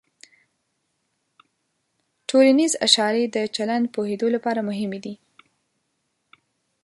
ټولنیز اشارې د چلند پوهېدو لپاره مهمې دي.